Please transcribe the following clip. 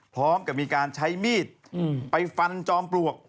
พร้อมกับมีการใช้มีดไปฟันจอมปลวก